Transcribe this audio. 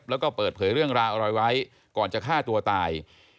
แล้วก็เปิดเผยเรื่องราวอะไรไว้ก่อนจะฆ่าตัวตาย